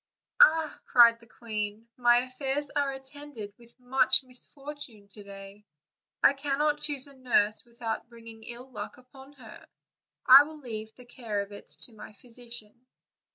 "Ah!" cried the queen, "my affairs are attended with much misfortune to day; I cannot choose a nurse with out bringing ill luck upon her! I will leave the care of it to my physician."